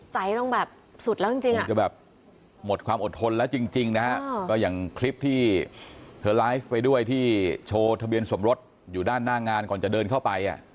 ใจต้องแบบสุดแล้วจริงอาจจะแบบหมดความอดทนแล้วจริงนะฮะก็อย่างคลิปที่เธอไลฟ์ไปด้วยที่โชว์ทะเบียนสมรสอยู่ด้านหน้างานก่อนจะเดินเข้าไป